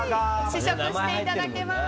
試食していただけます。